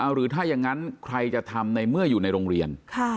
หรือถ้าอย่างนั้นใครจะทำในเมื่ออยู่ในโรงเรียน